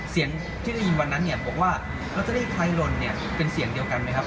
เสียงที่ได้ยินวันนั้นเนี่ยบอกว่าลอตเตอรี่ใครลนเนี่ยเป็นเสียงเดียวกันไหมครับ